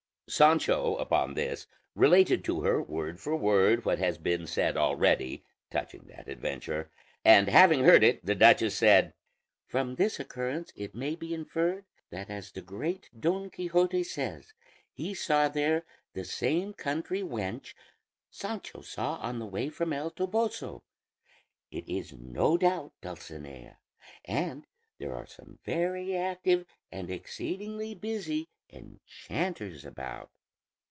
Sancho, upon this, related to her word for word what has been said already touching that adventure; and having heard it, the duchess said: "From this occurrence it may be inferred that as the great Don Quixote says he saw there the same country wench Sancho saw on the way from El Toboso, it is no doubt Dulcinea, and there are some very active and exceedingly busy enchanters about."